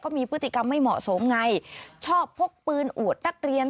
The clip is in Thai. มีพฤติกรรมไม่เหมาะสมไงชอบพกปืนอวดนักเรียน